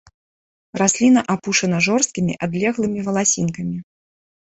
Расліна апушана жорсткімі адлеглымі валасінкамі.